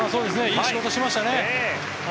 いい仕事しましたね。